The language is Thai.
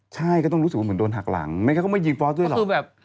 ใช่ก็ต้องรู้สึกว่าเหมือนโดนหักหลังไม่ก็ต้องมายิงฟอสด้วยหรอก